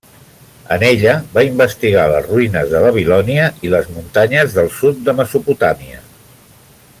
En ella va investigar les ruïnes de Babilònia i les muntanyes del sud de Mesopotàmia.